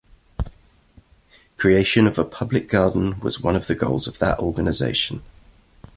Creation of a public garden was one of the goals of that organization.